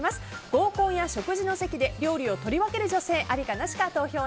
合コンや食事の席で料理を取り分ける女性ありかなしか。